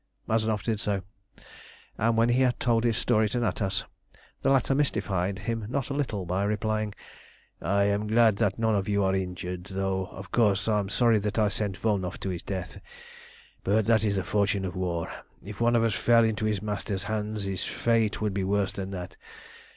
Mazanoff did so, and when he had told his story to Natas, the latter mystified him not a little by replying "I am glad that none of you are injured, though, of course, I'm sorry that I sent Volnow to his death; but that is the fortune of war. If one of us fell into his master's hands his fate would be worse than that.